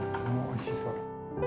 おいしそう。